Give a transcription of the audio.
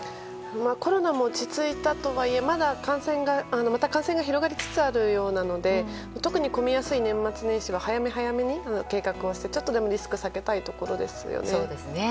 コロナも落ち着いたとはいえまた感染が広がりつつあるようなので特に混みやすい年末年始は早め早めに計画をして、ちょっとでもリスクを避けたいところですよね。